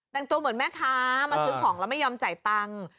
แต่งตัวเหมือนแม่ค้ามาซื้อของแล้วไม่ยอมจ่ายตังค์